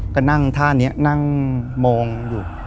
ก็นั่งท่านี้นั่งมองอยู่